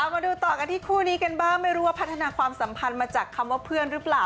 มาดูต่อกันที่คู่นี้กันบ้างไม่รู้ว่าพัฒนาความสัมพันธ์มาจากคำว่าเพื่อนหรือเปล่า